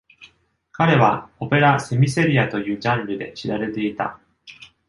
彼はオペラセミセリアというジャンルで知られていた。